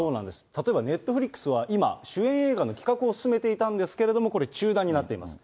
例えばネットフリックスは、今、主演映画の企画を進めていたんですけども、これ中断になっています。